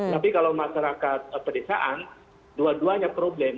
tapi kalau masyarakat pedesaan dua duanya problem